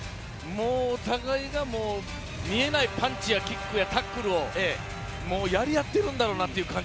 お互いが見えないパンチやキックやタックルをやり合ってるんだろうなっていう。